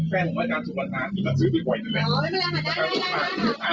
แฟนผมอาจารย์สุภาษณาที่มันซื้อไปบ่อยกันแหละ